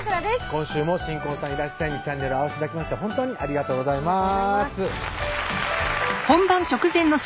今週も新婚さんいらっしゃい！にチャンネル合わせて頂きまして本当にありがとうございます